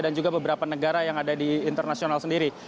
dan juga beberapa negara yang ada di internasional sendiri